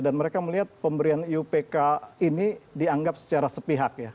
dan mereka melihat pemberian upk ini dianggap secara sepihak ya